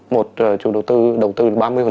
một chủ đầu tư đầu tư ba mươi